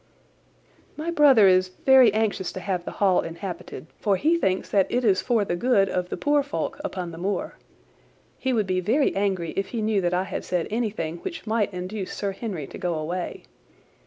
"My brother is very anxious to have the Hall inhabited, for he thinks it is for the good of the poor folk upon the moor. He would be very angry if he knew that I have said anything which might induce Sir Henry to go away.